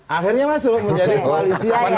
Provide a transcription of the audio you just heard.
akhirnya masuk menjadi koalisi yang diperluas